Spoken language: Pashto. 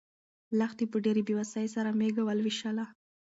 لښتې په ډېرې بې وسۍ سره مېږه ولوشله.